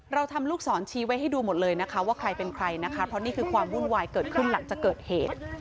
เราทำลูกศรชี้ไว้ให้ดูหมดเลยนะคะว่าใครเป็นใครนะคะเพราะนี่คือความวุ่นวายเกิดขึ้นหลังจากเกิดเหตุ